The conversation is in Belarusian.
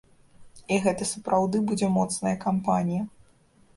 І гэта сапраўды будзе моцная кампанія.